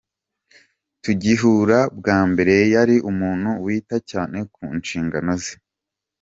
Tugihura bwa mbere yari umuntu wita cyane ku nshingano ze.